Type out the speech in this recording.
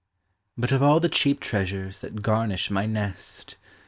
But of all the cheap treasures that garuish my nest, There